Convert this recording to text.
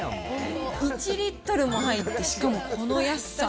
１リットルも入って、しかもこの安さ。